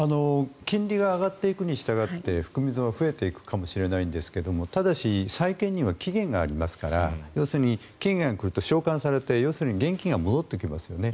金利が上がっていくにしたがって含み損は増えていくかもしれませんがただし、債券には期限がありますから要するに期限が来ると償還されて現金が戻ってきますよね。